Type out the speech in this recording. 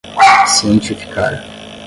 cientificar